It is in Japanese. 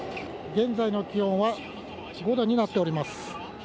現在の気温は５度になっております。